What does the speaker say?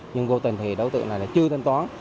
nhưng vô tình thì đối tượng này là chưa thanh toán